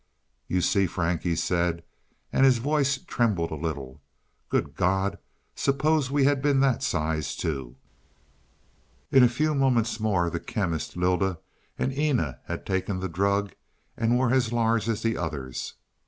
"You see, Frank," he said, and his voice trembled a little. "Good God, suppose we had been that size, too." In a few moments more the Chemist, Lylda and Eena had taken the drug and were as large as the others.